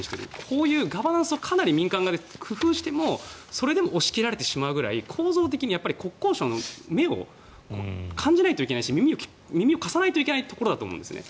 こういうガバナンスをかなり民間が工夫してもそれでも押し切られてしまうくらい構造的に、国交省の命を感じないといけないし耳を貸さないといけないところだと思うんですね。